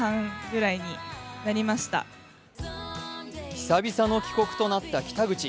久々の帰国となった北口